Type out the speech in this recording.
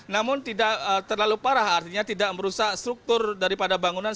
namun tidak terlalu parah artinya tidak merusak struktur daripada bangunan